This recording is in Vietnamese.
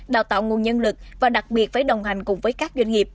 đào tạo nguồn nhân lực và đặc biệt phải đồng hành cùng với các doanh nghiệp